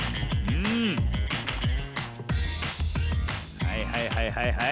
はいはいはいはいはい。